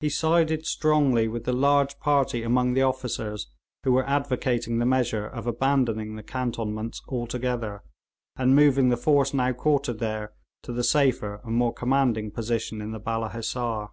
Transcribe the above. He sided strongly with the large party among the officers who were advocating the measure of abandoning the cantonments altogether, and moving the force now quartered there to the safer and more commanding position in the Balla Hissar.